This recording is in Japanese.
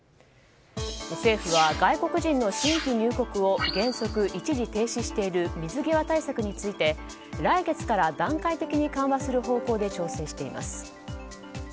政府は外国人の新規入国を原則一時停止している水際対策について来月から段階的に緩和する方向で調整しています。